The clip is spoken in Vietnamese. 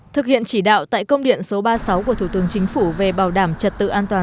thực hiện chỉ đạo tại công điện số ba mươi sáu của thủ tướng chính phủ về bảo đảm trật tự an toàn